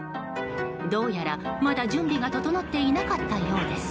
どうやら、まだ準備が整っていなかったようです。